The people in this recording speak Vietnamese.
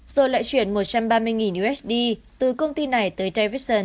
rồi lại chuyển một trăm ba mươi usd từ công ty này tới davidson